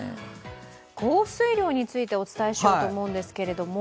降水量についてお伝えしようと思うんですけれども。